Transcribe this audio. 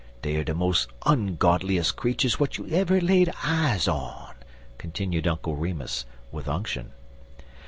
Dey er de mos' ongodlies' creeturs w'at you ever laid eyes on," continued Uncle Remus, with unction.